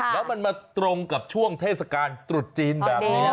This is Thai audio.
แล้วมันมาตรงกับช่วงเทศกาลตรุษจีนแบบนี้